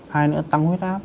hay nữa tăng huyết áp